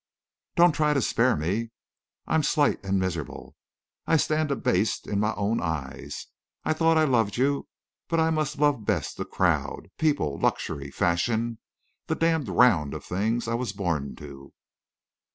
"Don't try to spare me. I'm slight and miserable. I stand abased in my own eyes. I thought I loved you. But I must love best the crowd—people—luxury—fashion—the damned round of things I was born to."